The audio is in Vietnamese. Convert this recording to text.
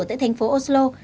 tại thành phố oslo